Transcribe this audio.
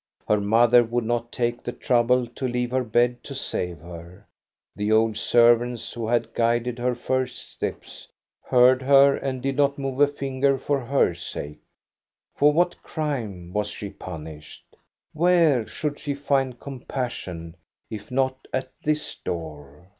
Her mother would not take the trouble to leave her bed to save her. The old servants, who had guided her first steps, heard her and did not move a finger for her sake. For what crime was she punished ? Where should she find compassion, if not at this door?